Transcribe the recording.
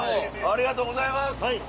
ありがとうございます。